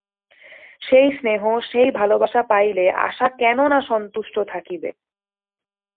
সেই স্নেহ সেই ভালোবাসা পাইলে আশা কেন না সন্তুষ্ট থাকিবে।